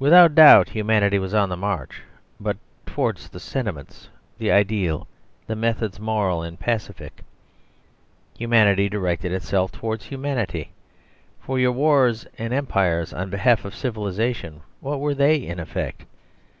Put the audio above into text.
Without doubt Humanity was on the march, but towards the sentiments, the ideal, the methods moral and pacific. Humanity directed itself towards Humanity. For your wars and empires on behalf of civilisation, what were they in effect?